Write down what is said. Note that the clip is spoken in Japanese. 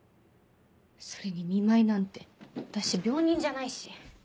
それに見舞いなんて私病人じゃないし。